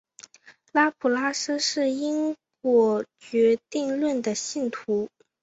拉普拉斯是因果决定论的信徒。